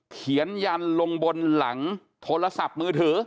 เขียนยันต์ลงบนหลังโทรศัพท์มือถือ